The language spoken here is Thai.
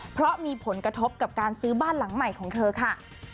เพราะมีผลกระทบกับการซื้อบ้านหลังใหม่ของเธอค่ะ